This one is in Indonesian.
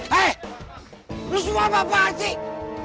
hei lo semua apaan sih